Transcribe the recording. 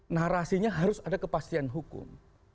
narasinya harus ada kepastian hukum